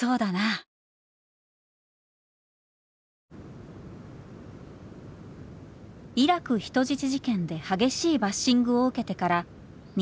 イラク人質事件で激しいバッシングを受けてから２年後。